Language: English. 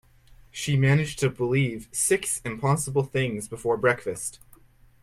She managed to believe six impossible things before breakfast